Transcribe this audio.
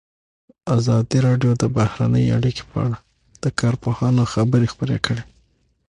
ازادي راډیو د بهرنۍ اړیکې په اړه د کارپوهانو خبرې خپرې کړي.